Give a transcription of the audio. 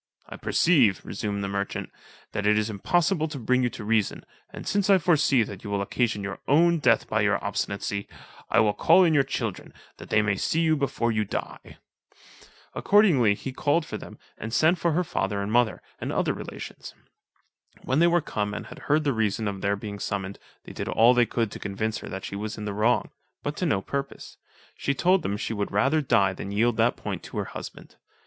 "I perceive," resumed the merchant, "that it is impossible to bring you to reason, and since I foresee that you will occasion your own death by your obstinacy, I will call in your children, that they may see you before you die." Accordingly he called for them, and sent for her father and mother, and other relations. When they were come and had heard the reason of their being summoned, they did all they could to convince her that she was in the wrong, but to no purpose: she told them she would rather die than yield that point to her husband.